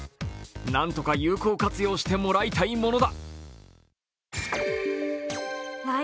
何とか有効活用してもらいたいものだ。